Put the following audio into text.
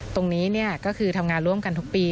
ตรงนี้ก็คือทำงานร่วมกันทุกปี